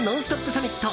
サミット。